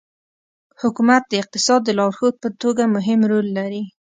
حکومت د اقتصاد د لارښود په توګه مهم رول لري.